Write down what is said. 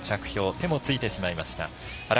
手もついてしまいました。